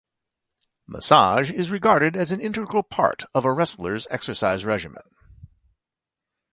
Massage is regarded an integral part of a wrestler's exercise regimen.